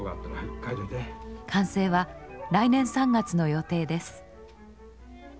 完成は来年３月の予定です。